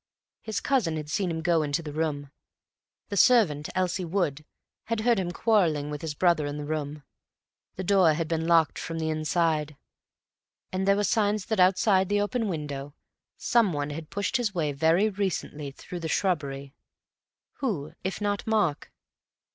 His cousin had seen him go into the room, the servant Elsie Wood had heard him quarrelling with his brother in the room, the door had been locked from the inside, and there were signs that outside the open window some one had pushed his way very recently through the shrubbery. Who, if not Mark?